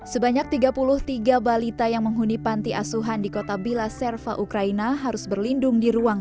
sebanyak tiga puluh tiga balita yang menghuni panti asuhan di kota bila serva ukraina harus berlindung di ruang